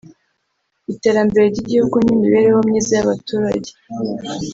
iterambere ry’igihugu n’imibereho myiza y’abaturage